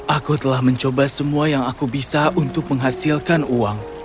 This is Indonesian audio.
aku telah mencoba semua yang aku bisa untuk menghasilkan uang